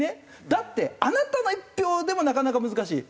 だって「あなたの一票」でもなかなか難しい。